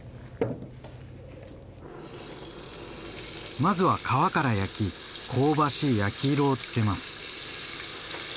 まずは皮から焼き香ばしい焼き色をつけます。